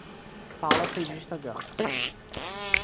Paula fez vista grossa.